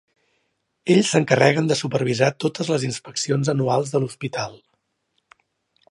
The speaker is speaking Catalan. Ells s"encarreguen de supervisar totes les inspeccions anuals de l"hospital.